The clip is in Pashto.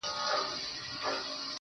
یو اروامست د خرابات په اوج و موج کي ویل,